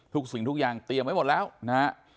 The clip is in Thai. สิ่งทุกอย่างเตรียมไว้หมดแล้วนะฮะ